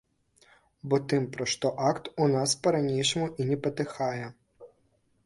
Бо тым, пра што акт, у нас па-ранейшаму і не патыхае.